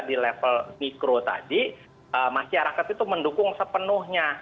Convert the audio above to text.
di level mikro tadi masyarakat itu mendukung sepenuhnya